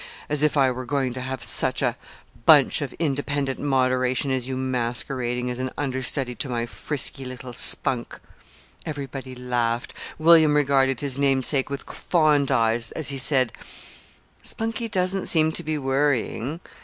As if I were going to have such a bunch of independent moderation as you masquerading as an understudy to my frisky little Spunk!" Everybody laughed. William regarded his namesake with fond eyes as he said: "Spunkie doesn't seem to be worrying."